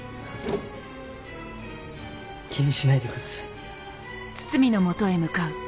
気にしないでください。